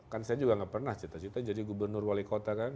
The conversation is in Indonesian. kan saya juga gak pernah cita cita jadi gubernur wali kota kan